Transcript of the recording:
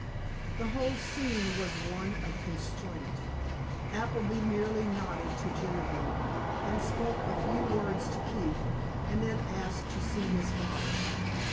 The whole scene was one of constraint. Appleby merely nodded to Genevieve, and spoke a few words to Keefe, and then asked to see his father.